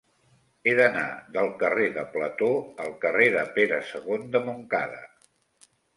He d'anar del carrer de Plató al carrer de Pere II de Montcada.